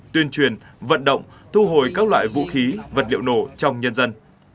tuyên truyền vận động thu hồi các loại vũ khí vật liệu nổ trong nhân dân